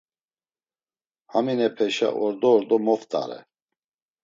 Haminepeşa ordo ordo moft̆are.